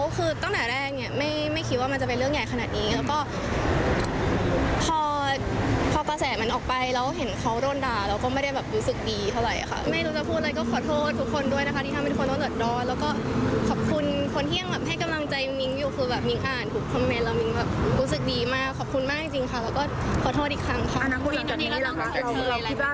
ก็ขอโทษทุกคนนี้นะคะที่ทำให้ทุกคนมีเป็นเดือดร้อน